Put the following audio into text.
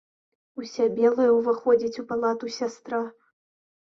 Уся белая ўваходзіць у палату сястра.